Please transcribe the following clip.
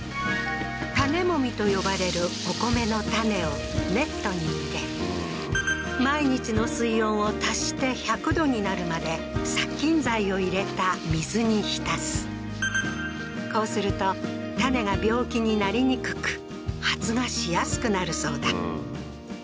種籾と呼ばれるお米の種をネットに入れ毎日の水温を足して１００℃になるまで殺菌剤を入れた水に浸すこうすると種が病気になりにくく発芽しやすくなるそうだ